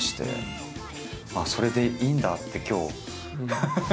ああそれでいいんだって今日。